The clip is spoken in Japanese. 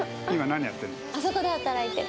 あそこで働いてる。